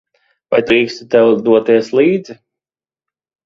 Vai drīkstu tev doties līdzi?